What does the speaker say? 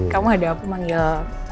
kamu ada apa yang mau manggil